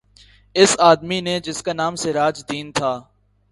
اس آدمی نے جس کا نام سراج دین تھا